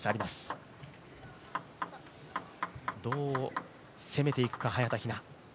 どう攻めていくか、早田ひな。